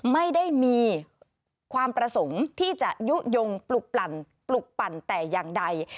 ไม่ได้มีความประสงค์ที่จะยุโยงปลุกปลั่นปลุกปั่นแต่อย่างใด